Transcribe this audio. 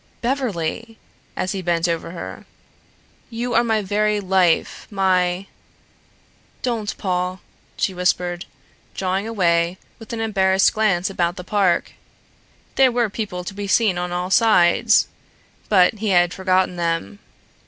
"Beverly," as he bent over her, "you are my very life, my " "Don't, Paul!" she whispered, drawing away with an embarrassed glance about the park. There were people to be seen on all sides. But he had forgotten them.